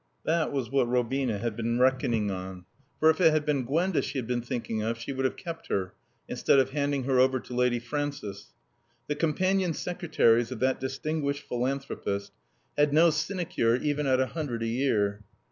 That was what Robina had been reckoning on. For, if it had been Gwenda she had been thinking of, she would have kept her instead of handing her over to Lady Frances. The companion secretaries of that distinguished philanthropist had no sinecure even at a hundred a year.